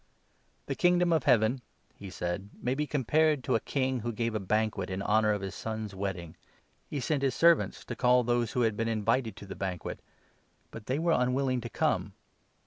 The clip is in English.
i " The Kingdom of Heaven," he said, "may be 2 'oi^he* compared to a king who gave a banquet in Marriage honour of his son's wedding. He sent his 3 Feast. servants to call those who had been invited to the banquet, but they were unwilling to come.